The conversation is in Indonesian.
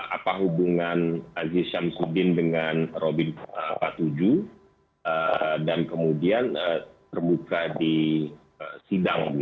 apa hubungan aziz syamsuddin dengan robin patuju dan kemudian terbuka di sidang